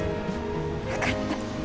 分かった。